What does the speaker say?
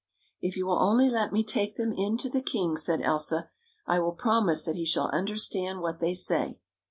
" If you will only let me take them in to the king," said Elsa, " I will promise that he shall understand what they say."